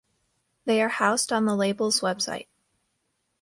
They are housed on the label's website.